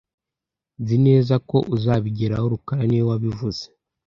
Nzi neza ko uzabigeraho rukara niwe wabivuze